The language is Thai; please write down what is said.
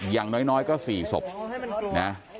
อย่างน้อยก็๔ศพนะ